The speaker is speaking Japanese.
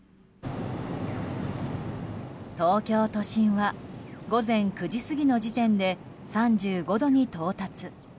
東京都心は午前９時過ぎの時点で３５度に到達。